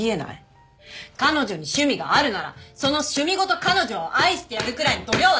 彼女に趣味があるならその趣味ごと彼女を愛してやるくらいの度量はないわけ！？